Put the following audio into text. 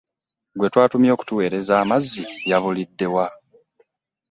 Gwe twatumye okutuweereza amazza yabulidde wa?